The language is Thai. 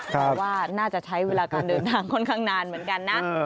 แต่ว่าน่าจะใช้เวลาการเดินทางค่อนข้างนานเหมือนกันนะ